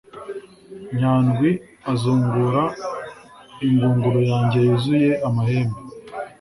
Nyandwi azunguza ingunguru yanjye yuzuye amahembe,